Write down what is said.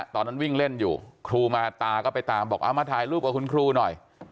ตอนนั้นวิ่งเล่นอยู่ครูมาตาก็ไปตามบอกเอามาถ่ายรูปกับคุณครูหน่อย